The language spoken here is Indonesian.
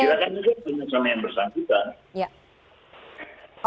itu kan penyesalan yang bersangkutan